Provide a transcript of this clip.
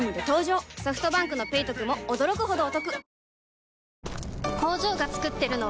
ソフトバンクの「ペイトク」も驚くほどおトク